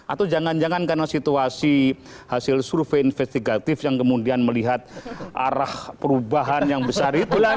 atau jangan jangan karena situasi hasil survei investigatif yang kemudian melihat arah perubahan yang besar itu